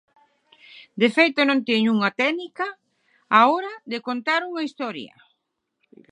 De feito, non teño unha "técnica" á hora de contar unha historia.